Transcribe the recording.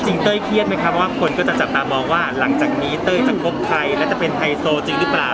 เต้ยเครียดไหมครับว่าคนก็จะจับตามองว่าหลังจากนี้เต้ยจะคบใครและจะเป็นไฮโซจริงหรือเปล่า